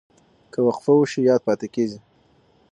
که وقفه وشي یاد پاتې کېږي.